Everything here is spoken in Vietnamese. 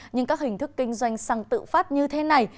nhưng các hình thức kinh doanh xăng tự phát như thế này